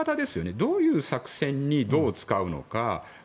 どういう作戦にどう使うのか。